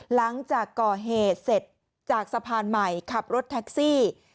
หลังจากก่อเหตุเสร็จจากสะพานใหม่ขับรถแท็กซี่